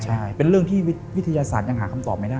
ใช่เป็นเรื่องที่วิทยาศาสตร์ยังหาคำตอบไม่ได้